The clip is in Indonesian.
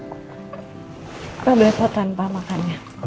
apa bapak tanpa makannya